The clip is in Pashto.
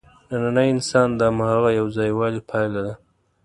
نننی انسان د هماغه یوځایوالي پایله ده.